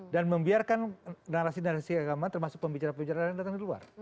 dan membiarkan narasi narasi keagamaan termasuk pembicara pembicara lain datang di luar